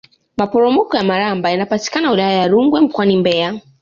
maporomoko ya malamba yanapatikana wilaya ya rungwe mkoani mbeya